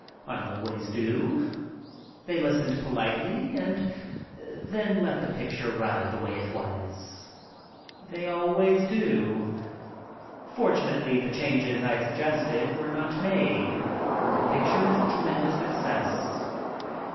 I always do. They listened politely and then let the picture ride the way it was. They always do. Fortunately, the changes I suggested were not made, and the picture is a tremendous success.